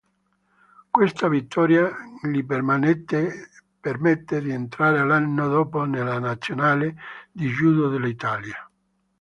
Questa vittoria gli permette di entrare l'anno dopo nella Nazionale di judo dell'Italia.